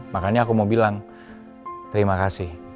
makanya aku mau bilang terima kasih